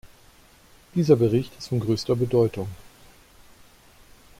Dieser Bericht ist von größter Bedeutung.